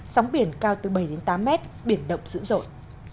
sống biển cao từ bảy đến tám m biển động dữ dội